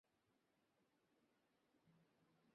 তিনি তৎকালীন কাঞ্চনা, ডলুকূল, আমিলাইষ ইউনিয়নের চেয়ারম্যান হন।